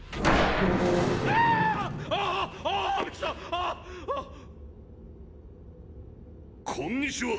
ああっ⁉こんにちは！